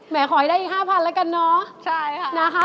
หมายขอให้ได้๕พันละกันเนาะ